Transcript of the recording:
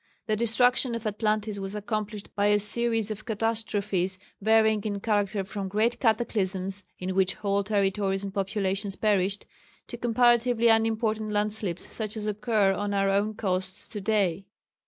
The destruction of Atlantis was accomplished by a series of catastrophes varying in character from great cataclysms in which whole territories and populations perished, to comparatively unimportant landslips such as occur on our own coasts to day.